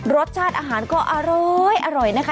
รสชาติอาหารก็อร้อยนะคะ